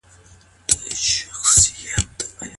کار ته په سينګار کي وتلو سره فتنه پيښيدلای سي.